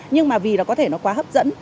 nhưng mà vì nó có thể nó quá hấp dẫn